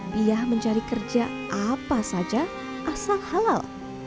piyah mencari kerja apa saja asal halal